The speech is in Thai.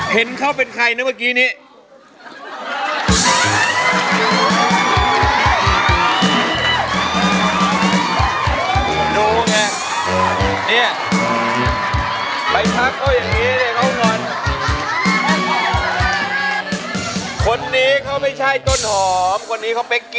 เห็นเขาเป็นใครนะเมื่อกี้นี้